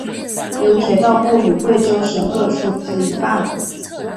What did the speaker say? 由铁道部与贵州省各出资一半。